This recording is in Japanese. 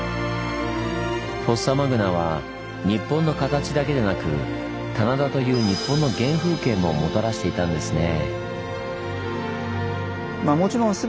フォッサマグナは日本の形だけでなく棚田という日本の原風景ももたらしていたんですねぇ。